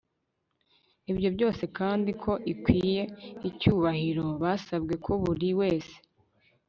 ibyo byose kandi ko ikwiye icyubahiro basabwe ko buri wese